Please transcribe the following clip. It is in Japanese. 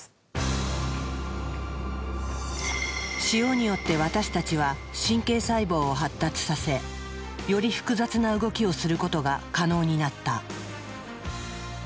塩によって私たちは神経細胞を発達させより複雑な動きをすることが可能になった。